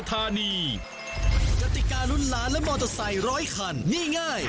โกยเลยโกยเลยค่ะโกยถึงถุงเลย